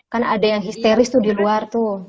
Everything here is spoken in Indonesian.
kan ada yang histeris tuh di luar tuh